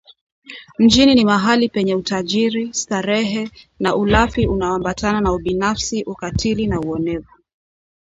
Mjini ni mahali penye utajiri, starehe na ulafi unaoambatana na ubinafsi, ukatili na uonevu